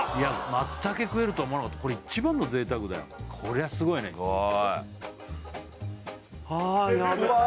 松茸食えるとは思わなかったこれ一番の贅沢だよこりゃすごいねはあうわ